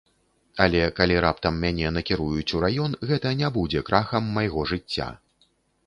Але, калі раптам мяне накіруюць у раён, гэта не будзе крахам майго жыцця.